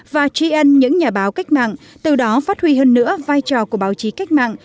và tri ân những nhà báo cách mạng từ đó phát huy hơn nữa vai trò của báo chí cách mạng